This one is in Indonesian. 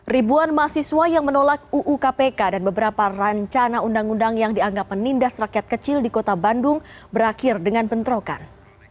ribuan mahasiswa yang menolak uu kpk dan beberapa rancangan undang undang yang dianggap menindas rakyat kecil di kota bandung berakhir dengan bentrokan